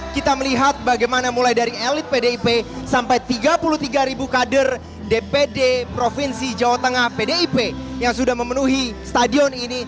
kita melihat bagaimana mulai dari elit pdip sampai tiga puluh tiga ribu kader dpd provinsi jawa tengah pdip yang sudah memenuhi stadion ini